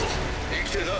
生きてるな。